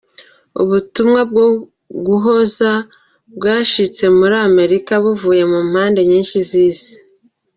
Ubutumwa bwo guhoza bwashitse muri Amerika buvuye mu mpande nyinshi z'isi.